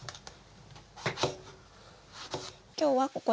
今日はここで